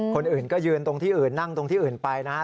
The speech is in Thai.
คนอื่นก็ยืนตรงที่อื่นนั่งตรงที่อื่นไปนะฮะ